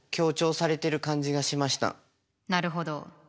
なるほど。